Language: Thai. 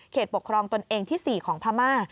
ปกครองตนเองที่๔ของพม่า